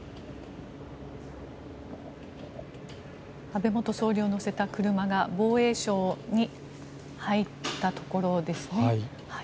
安倍元総理を乗せた車が防衛省に入ったところですね。